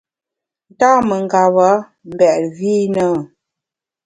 Nta mengeba mbèt vi i na?